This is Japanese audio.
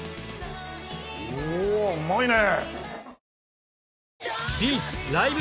おおうまいね！